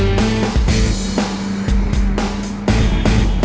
udah bocan mbak